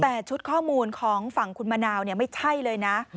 แต่ชุดข้อมูลของฝั่งคุณมะนาวไม่ใช่เลยนะ